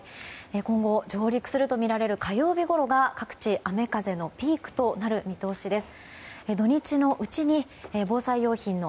今後、上陸するとみられる火曜日ごろが雨風のピークとなる見通しです。